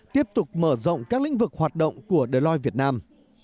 tiếp tục mở rộng các lĩnh vực hoạt động của deloit việt nam